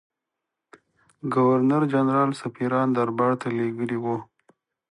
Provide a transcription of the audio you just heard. ګورنرجنرال سفیران دربارته لېږلي وه.